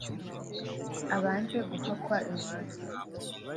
abanze guhakwa iwanyu